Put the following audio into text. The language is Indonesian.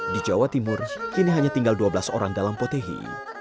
di jawa timur kini hanya tinggal dua belas orang dalam potehi